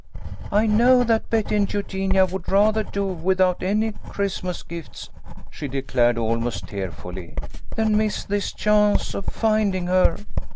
" I know that Betty and Eugenia would rather do without any Christmas gifts," she declared almost tearfully, "than miss this chance of finding her.